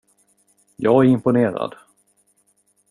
Jag är imponerad.